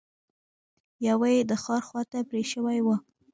يوه يې د ښار خواته پرې شوې وه.